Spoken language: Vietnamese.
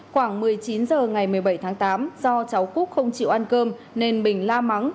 khoảng một mươi chín h ngày một mươi bảy tháng tám do cháu cúc không chịu ăn cơm nên bình la mắng